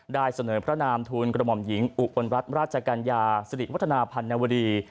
ได้เสนอพระนามทูลกระหม่อมหญิงอุบลรัฐราชกัญญาสิริวัฒนาพันนวดี